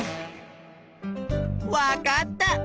わかった！